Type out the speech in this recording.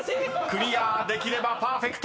［クリアできればパーフェクト］